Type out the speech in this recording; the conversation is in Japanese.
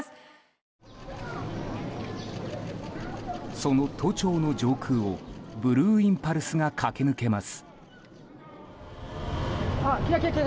その都庁の上空をブルーインパルスが駆け抜けます。